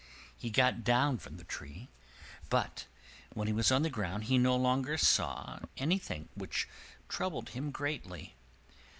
He got down from the tree: but when he was on the ground he no longer saw anything, which troubled him greatly.